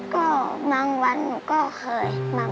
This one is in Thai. ก็หวิ่งไปก่อนแม่